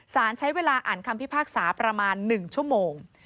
สารใช้เวลาอ่านคำพิพากษาประมาณ๑ชั่วโมง